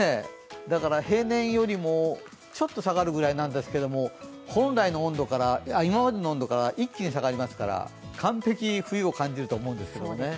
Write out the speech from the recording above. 平年よりもちょっと下がるぐらいなんですけれども、今までの温度から一気に下がりますから完璧に冬を感じると思うんですよね。